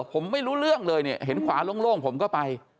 ผมไม่รู้เรื่องเลยเนี่ยเห็นขวาโล่งผมก็ไป